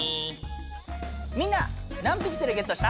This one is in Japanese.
みんな何ピクセルゲットした？